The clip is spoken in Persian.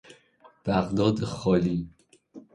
بغداد خالی